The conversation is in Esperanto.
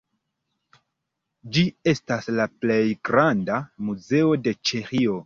Ĝi estas la plej granda muzeo de Ĉeĥio.